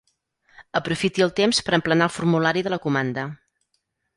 Aprofiti el temps per emplenar el formulari de la comanda”.